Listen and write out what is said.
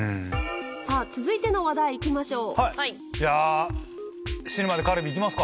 続いての話題いきましょう。